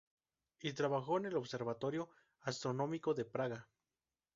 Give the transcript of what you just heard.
Y trabajó en el Observatorio Astronómico de Praga.